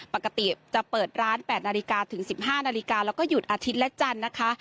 ปกติจะเปิดร้าน๘นาฬิกาถึง๑๕นาฬิกาแล้วก็หยุดอาทิตย์และจันทร์นะคะ